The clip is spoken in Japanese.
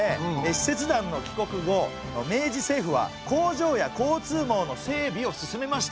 使節団の帰国後明治政府は工場や交通網の整備を進めました。